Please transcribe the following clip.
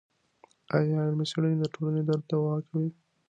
ايا علمي څېړنه د ټولني درد دوا کوي؟